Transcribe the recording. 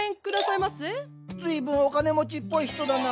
随分お金持ちっぽい人だな。